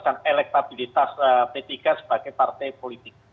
dan elektabilitas p tiga sebagai partai politik